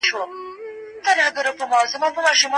د حرفي خاوندان د ټولنې ډېر مهم غړي دي.